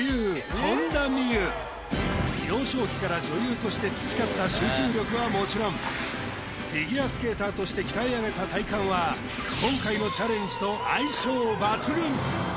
幼少期から女優として培った集中力はもちろんフィギュアスケーターとして鍛え上げた体幹は今回のチャレンジと相性抜群